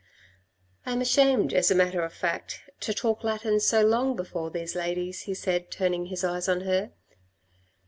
" I am ashamed, as a matter of fact, to talk Latin so long before these ladies," he said, turning his eyes on her.